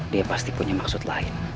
dia pasti punya maksud lain